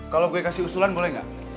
kalau gue kasih usulan boleh nggak